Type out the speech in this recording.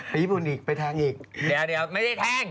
ญี่ปุ่นอีกไปแทงอีกเดี๋ยวไม่ได้แทง